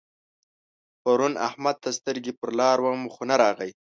پرون احمد ته سترګې پر لار وم خو نه راغی.